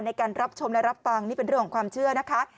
ในการรับชมและรับฟังนี่เป็นเรื่องของความเชื่อนะคะ